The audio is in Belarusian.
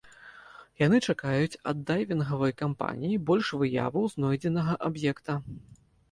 Яны чакаюць ад дайвінгавай кампаніі больш выяваў знойдзенага аб'екта.